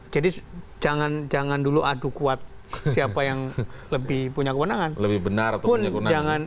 jadi jangan dulu adu kuat siapa yang lebih punya kewenangan